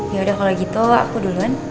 yaudah kalau gitu aku duluan